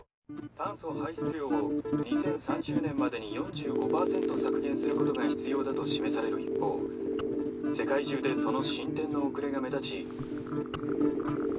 「炭素排出量を２０３０年までに４５％削減することが必要だと示される一方世界中でその進展の遅れが目立ち」。